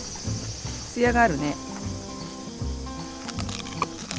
つやがあるね。